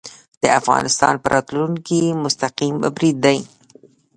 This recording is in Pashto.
د افغانستان په راتلونکې مستقیم برید دی